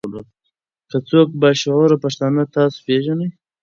کۀ څوک با شعوره پښتانۀ تاسو پېژنئ